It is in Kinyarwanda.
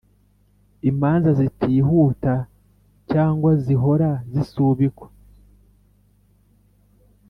imanza zitihuta cyangwa zihora zisubikwa.